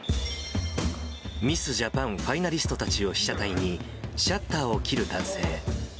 ミスジャパンファイナリストたちを被写体に、シャッターを切る男性。